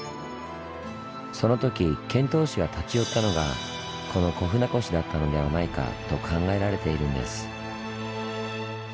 その時遣唐使が立ち寄ったのがこの小船越だったのではないかと考えられているんです。